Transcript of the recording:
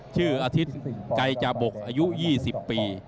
ชื่ออาทิตย์ไกรจบกอายุ๒๐ปี